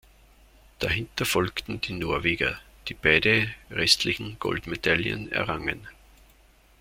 Dahinter folgten die Norweger, die beide restlichen Goldmedaillen errangen.